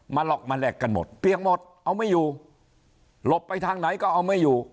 หลอกมาแลกกันหมดเปียกหมดเอาไม่อยู่หลบไปทางไหนก็เอาไม่อยู่